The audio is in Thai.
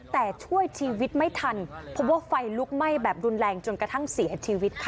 แต่ช่วยชีวิตไม่ทันพบว่าไฟลุกไหม้แบบรุนแรงจนกระทั่งเสียชีวิตค่ะ